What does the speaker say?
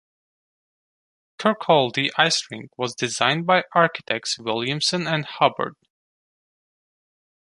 Kirkcaldy Ice Rink was designed by architects Williamson and Hubbard.